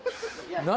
何？